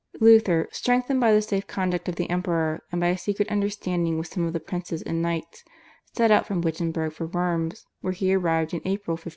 Luther, strengthened by the safe conduct of the Emperor and by a secret understanding with some of the princes and knights, set out from Wittenberg for Worms, where he arrived in April 1521.